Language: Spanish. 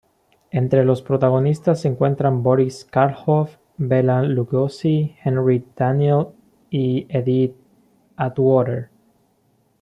Entre los protagonistas se encuentran Boris Karloff, Bela Lugosi, Henry Daniell y Edith Atwater.